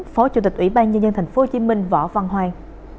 phó chủ tịch ủy ban nhân dân tp hcm võ văn hoàng